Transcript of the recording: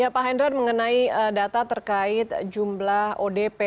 pak hendro mengenai data terkait jumlah odp